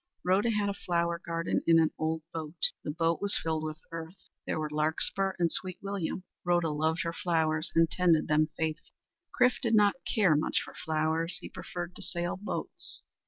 Rhoda had a flower garden in an old boat. The boat was filled with earth. There grew larkspur and sweet william. Rhoda loved her flowers and tended them faithfully. Chrif did not care much for flowers. He preferred to sail boats.